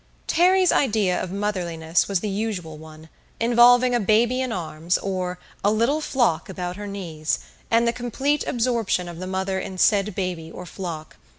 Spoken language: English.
Terry's idea of motherliness was the usual one, involving a baby in arms, or "a little flock about her knees," and the complete absorption of the mother in said baby or flock.